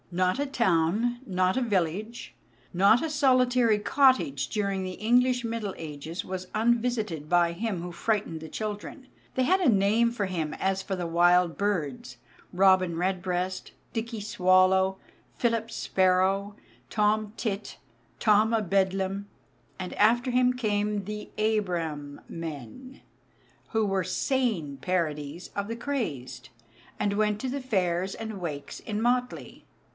Not a town, not a village, not a solitary cottage during the English Middle Ages was unvisited by him who frightened the children; they had a name for him as for the wild birds Robin Redbreast, Dicky Swallow, Philip Sparrow, Tom Tit, Tom a Bedlam. And after him came the "Abram men," who were sane parodies of the crazed, and went to the fairs and wakes in motley.